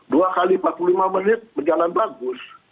dua x empat puluh lima menit berjalan bagus